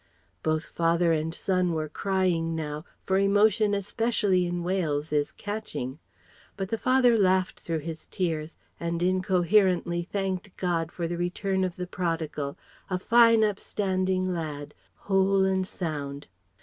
Both father and son were crying now, for emotion especially in Wales is catching. But the father laughed through his tears; and incoherently thanked God for the return of the prodigal a fine upstanding lad whole and sound.